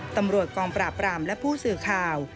ตำรวจกองปราบรามและผู้สื่อข่าว